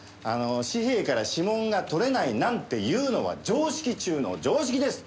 紙幣から指紋がとれないなんていうのは常識中の常識です。